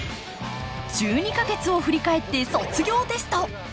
１２か月を振り返って卒業テスト！